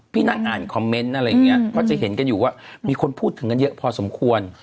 นั่งอ่านคอมเมนต์อะไรอย่างเงี้ยก็จะเห็นกันอยู่ว่ามีคนพูดถึงกันเยอะพอสมควร